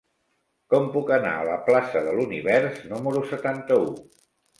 Com puc anar a la plaça de l'Univers número setanta-u?